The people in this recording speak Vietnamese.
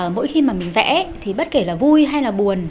mỗi khi mà mình vẽ thì bất kể là vui hay là buồn